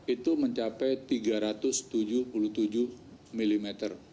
itu mencapai tiga ratus tujuh puluh tujuh mm